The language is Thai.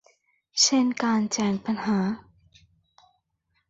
เช่นการแจ้งปัญหา